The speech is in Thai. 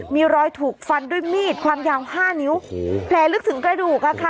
มีรอยถูกฟันด้วยมีดความยาว๕นิ้วแผลลึกถึงกระดูกอะค่ะ